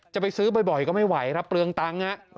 จะไปซื้อบ่อยก็ไม่ไหวครับเปลืองตังค์